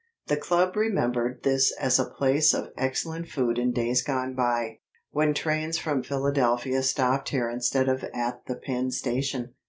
The club remembered this as a place of excellent food in days gone by, when trains from Philadelphia stopped here instead of at the Penn. Station.